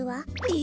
え！